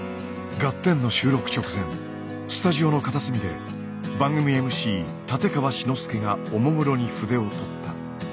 「ガッテン！」の収録直前スタジオの片隅で番組ＭＣ立川志の輔がおもむろに筆を執った。